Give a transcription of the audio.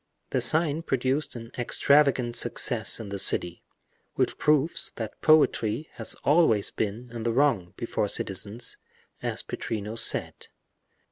The sign produced an extravagant success in the city, which proves that poetry has always been in the wrong, before citizens, as Pittrino said.